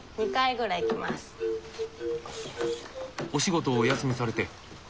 お仕事をお休みされて？